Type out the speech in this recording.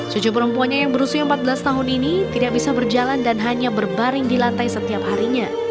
cucu perempuannya yang berusia empat belas tahun ini tidak bisa berjalan dan hanya berbaring di lantai setiap harinya